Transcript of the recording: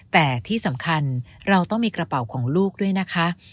แต่ที่สำคัญเราต้องมีกระเป๋าของลูกด้วยนะคะ